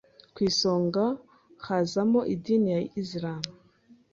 ku isonga hakazamo idini ya Islam